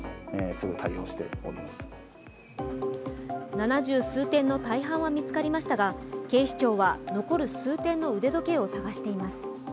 七十数点の大半は見つかりましたが、警視庁は残る数点の腕時計を捜しています。